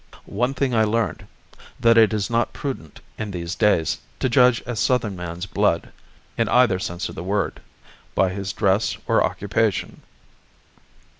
One thing I learned: that it is not prudent, in these days, to judge a Southern man's blood, in either sense of the word, by his dress or occupation.